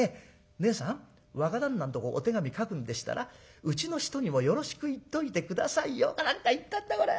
『ねえさん若旦那んとこお手紙書くんでしたらうちの人にもよろしく言っといて下さいよ』か何か言ったんだこれは。